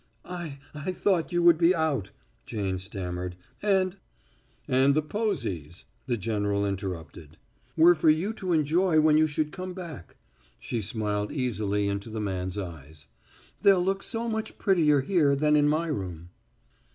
"I I thought you would be out," Jane stammered, "and " "And the posies " the general interrupted. "Were for you to enjoy when you should come back." She smiled easily into the man's eyes. "They'll look so much prettier here than in my room."